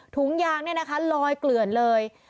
ถุงยางเนี่ยนะคะลอยเกลื่อนเลย